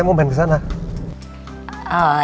tidak ada yang mau main sama saya